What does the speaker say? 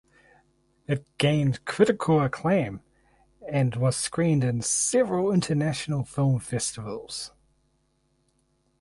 It gained critical acclaim and was screened in several international film festivals.